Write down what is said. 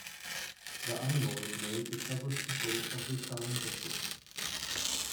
The animal is made to tell the people of the town gossip.